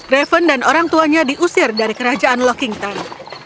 reven dan orang tuanya diusir dari kerajaan lockington